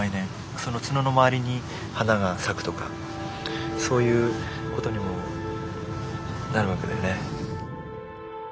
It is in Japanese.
その角の周りに花が咲くとかそういうことにもなるわけだよね。